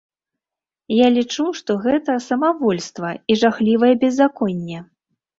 Я лічу, што гэта самавольства і жахлівае беззаконне.